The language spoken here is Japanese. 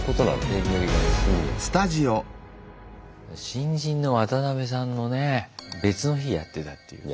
新人のワタナベさんのね別の日やってたっていう。